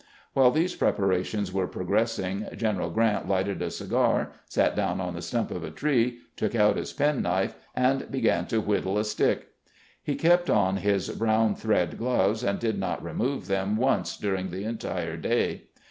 While these preparations were progressing. General Grant lighted a cigar, sat down on the stump of a tree, took out his penknife, and began to whittle a stick. He kept on his brown thread gloves, and did not remove them once during the entire day.